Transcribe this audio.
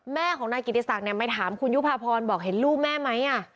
แม่ของนายกิติศักดิ์มาถามคุณยุภาพรบอกเห็นลูกแม่ไหม